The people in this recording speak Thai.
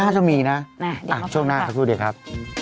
น่ะเดี๋ยวมาพูดค่ะช่วงหน้าครับดูดิครับ